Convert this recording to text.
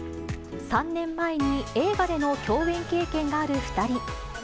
３年前に映画での共演経験がある２人。